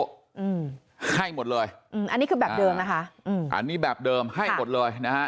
อืมให้หมดเลยอืมอันนี้คือแบบเดิมนะคะอืมอันนี้แบบเดิมให้หมดเลยนะฮะ